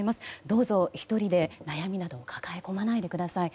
どうぞ１人で悩みなどを抱え込まないでください。